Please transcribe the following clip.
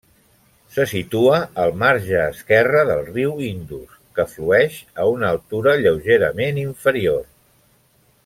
Se situa al marge esquerre del riu Indus, que flueix a una altura lleugerament inferior.